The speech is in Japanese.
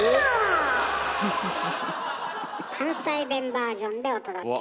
えぇ⁉関西弁バージョンでお届けしました。